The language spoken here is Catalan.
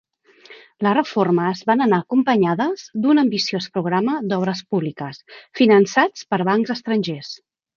Les reformes van anar acompanyades d'un ambiciós programa d'obres públiques, finançat per bancs estrangers.